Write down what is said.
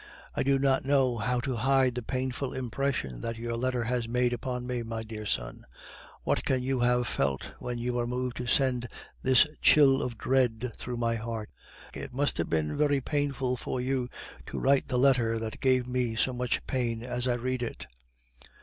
I do not know how to hide the painful impression that your letter has made upon me, my dear son. What can you have felt when you were moved to send this chill of dread through my heart? It must have been very painful to you to write the letter that gave me so much pain as I read it.